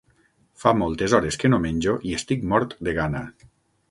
Fa moltes hores que no menjo i estic mort de gana.